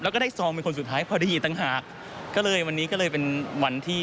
แล้วก็ได้ซองเป็นคนสุดท้ายพอได้ยินต่างหากก็เลยวันนี้ก็เลยเป็นวันที่